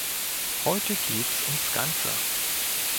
Heute gehts ums Ganze.